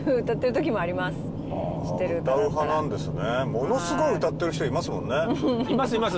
ものすごい歌ってる人いますもんねいますいます